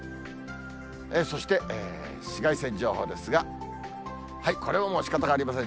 そして紫外線情報ですが、これもしかたがありません。